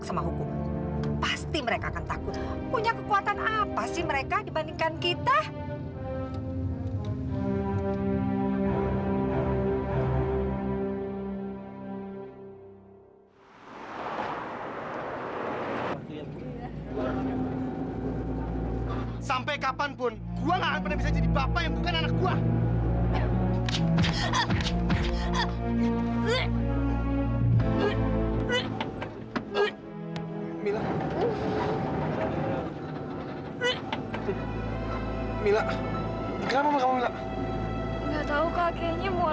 sampai jumpa di video selanjutnya